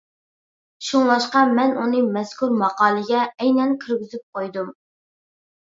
شۇڭلاشقا مەن ئۇنى مەزكۇر ماقالىگە ئەينەن كىرگۈزۈپ قويدۇم.